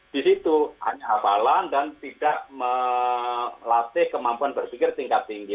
di situ hanya hafalan dan tidak melatih kemampuan berpikir tingkat tinggi